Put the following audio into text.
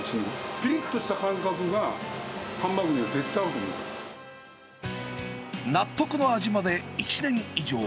ぴりっとした感覚が、納得の味まで１年以上。